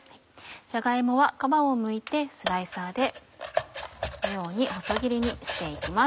じゃが芋は皮をむいてスライサーでこのように細切りにして行きます。